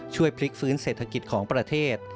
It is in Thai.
ช่วยพลิกฟื้นเศรษฐกิจของประเทศ